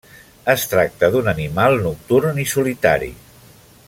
Es tracta d'un animal nocturn i solitari.